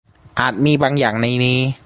อาจมีบางอย่างในนี้